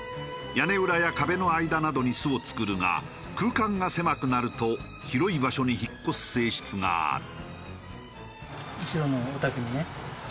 屋根裏や壁の間などに巣を作るが空間が狭くなると広い場所に引っ越す性質がある。